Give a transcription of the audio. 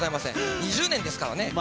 ２０年ですからね。